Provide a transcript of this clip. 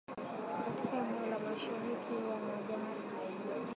katika eneo la mashariki mwa jamhuri ya kidemokrasia ya Kongo lenye mzozo